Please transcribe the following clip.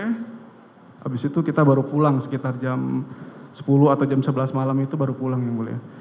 habis itu kita baru pulang sekitar jam sepuluh atau jam sebelas malam itu baru pulang yang mulia